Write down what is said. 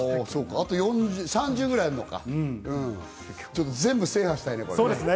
あと３０ぐらいあるのか、全部制覇したいね。